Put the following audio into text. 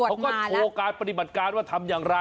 ตำรวจเขาก็โทรการปฏิบัติการว่าทำอย่างไร